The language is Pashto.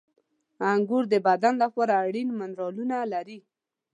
• انګور د بدن لپاره اړین منرالونه لري.